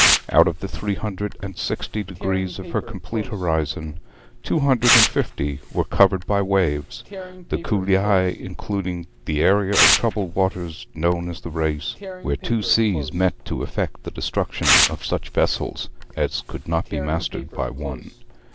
Out of the three hundred and sixty degrees of her complete horizon two hundred and fifty were covered by waves, the coup d'oeil including the area of troubled waters known as the Race, where two seas met to effect the destruction of such vessels as could not be mastered by one.